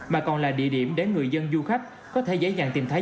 mà còn là địa điểm để người dân du khách có thể dễ dàng tìm thấy